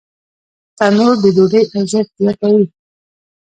تنور د ډوډۍ ارزښت زیاتوي